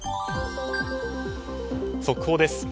速報です。